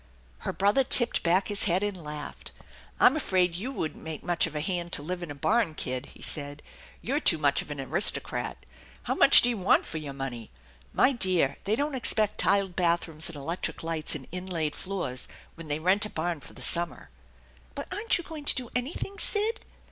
Her brother tipped back his head, and laughed. " I'm afraid you wouldn't make much of a hand to live in a barn, kid," he said. " You're too much of an aristocrat. How much do you want .for your money ? My dear, they don't expect tiled bathrooms, and electric lights, and inlaid floors when they rent a barn for the summer." " But aren't you going to do anything, Sid